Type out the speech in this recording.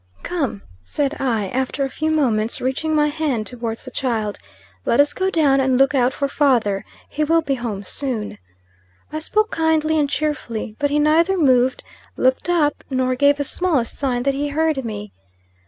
"Come," said I, after a few moments, reaching my hand towards the child "let us go down and look out for father. He will be home soon." I spoke kindly and cheerfully. But he neither moved, looked up, nor gave the smallest sign that he heard me.